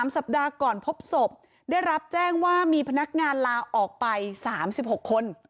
สัปดาห์ก่อนพบศพได้รับแจ้งว่ามีพนักงานลาออกไป๓๖คน